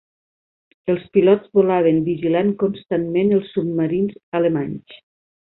Els pilots volaven vigilant constantment els submarins alemanys.